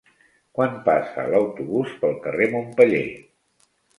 Quan passa l'autobús pel carrer Montpeller?